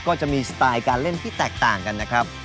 ก็จะมีสไตล์การเล่นที่แตกต่างกันนะครับ